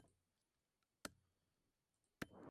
San Diego Country States se encuentra ubicada dentro de Ramona.